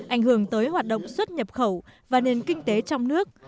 ảnh hưởng tới hoạt động xuất nhập khẩu và nền kinh tế trong nước